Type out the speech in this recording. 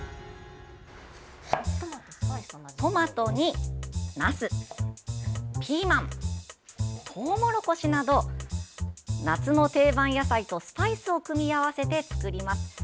トマトに、なすピーマン、とうもろこしなど夏の定番野菜とスパイスを組み合わせて作ります。